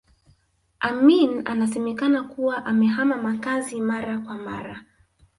Amin anasemekana kuwa amehama makazi mara kwa mara